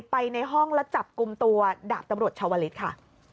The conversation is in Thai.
ไปในห้องและจับกลุ่มตัวดาบตำรวจชาวลิศค่ะ